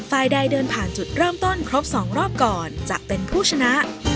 ฝ่ายใดเดินผ่านจุดเริ่มต้นครบ๒รอบก่อนจะเป็นผู้ชนะ